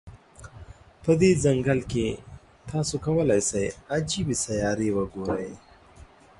په دې ځنګل کې، تاسو کولای شی عجيبې سیارې وګوری.